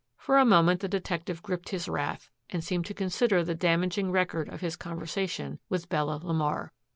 For a moment the detective gripped his wrath and seemed to consider the damaging record of his conversation with Bella LeMar.